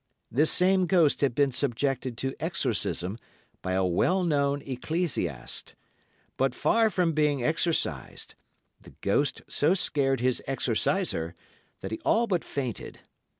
This same ghost had been subjected to exorcism by a well known ecclesiast, but, far from being exorcised, the ghost so scared his exorciser that he all but fainted.